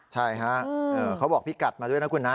ใช่ฮะเขาบอกพี่กัดมาด้วยนะคุณนะ